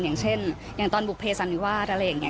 อย่างเช่นอย่างตอนบุเภสันนิวาสอะไรอย่างนี้